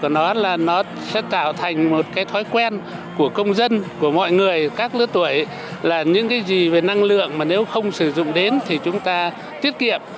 nó sẽ tạo thành một cái thói quen của công dân của mọi người các lứa tuổi là những cái gì về năng lượng mà nếu không sử dụng đến thì chúng ta tiết kiệm